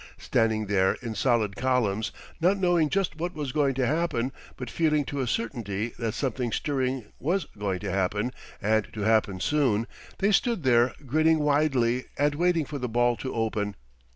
Standing there in solid columns, not knowing just what was going to happen, but feeling to a certainty that something stirring was going to happen, and to happen soon, they stood there grinning widely and waiting for the ball to open.